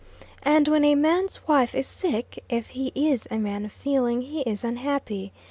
And when a man's wife is sick, if, he is a man of feeling, he is unhappy.